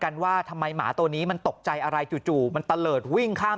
ว่าทำไมหมาตัวนี้มันตกใจอะไรจู่มันตะเลิศวิ่งข้าม